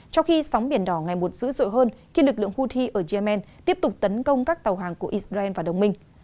trong khi sóng biển đỏ ngày một dữ dội hơn khi lực lượng houthi ở yemen tiếp tục tấn công các tàu hàng của israel và đồng minh